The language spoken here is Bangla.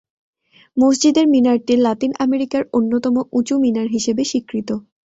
মসজিদের মিনারটি লাতিন আমেরিকার অন্যতম উঁচু মিনার হিসেবে স্বীকৃত।